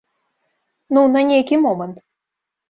Ну, на нейкі момант.